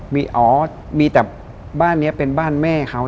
มีอ๋อมีแต่บ้านนี้เป็นบ้านแม่เขา